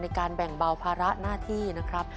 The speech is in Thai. ในการแบ่งเบาภาระหน้าที่นะครับ